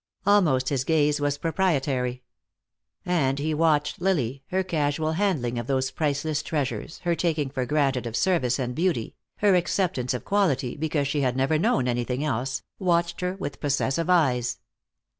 Almost his gaze was proprietary. And he watched Lily, her casual handling of those priceless treasures, her taking for granted of service and beauty, her acceptance of quality because she had never known anything else, watched her with possessive eyes.